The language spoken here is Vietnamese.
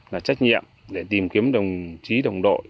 là trách nhiệm để tìm kiếm đồng chí đồng đội